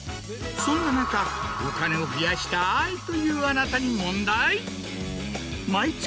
そんな中お金を増やしたい！というあなたに問題。